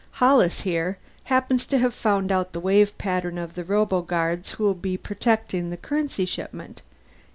"Hollis, here, happens to have found out the wave patterns of the roboguards who'll be protecting the currency shipment.